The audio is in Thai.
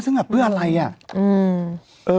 สึงหากเพื่ออะไร